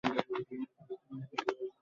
হঠাৎ করে ইঞ্জিনিয়ার বনে গেলে নাকি?